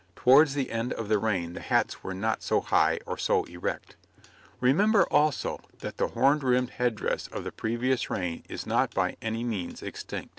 Towards the end of the reign the hats were not so high or so erect. Remember, also, that the horned head dress of the previous reign is not by any means extinct.